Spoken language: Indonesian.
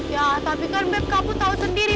ya tapi kan bet kamu tau sendiri